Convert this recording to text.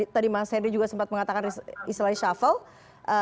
tadi mas henry juga sempat mengatakan islahnya shuffle